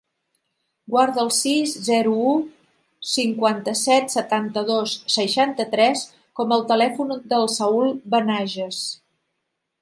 Guarda el sis, zero, u, cinquanta-set, setanta-dos, seixanta-tres com a telèfon del Saül Benaiges.